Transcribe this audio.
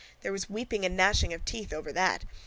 There was weeping and gnashing of teeth over that.